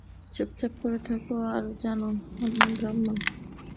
চুপচাপ করে থাক, আর জান, আমি ব্রহ্ম।